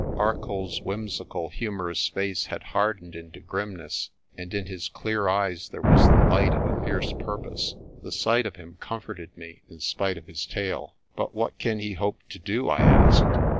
102 PRESTER JOHN Arcoll's whimsical, humorous face had hardened into grimness, and in his clear eyes there was the light of a fierce purpose. The sight of him comforted me, in spite of his tale. "But what can he hope to do?' I asked.